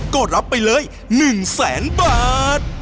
ก็รับไปเลย๑แสนบาท